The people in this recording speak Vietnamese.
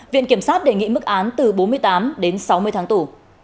viện kiểm sát đề nghị mức án từ bốn mươi tám đến sáu mươi tháng tù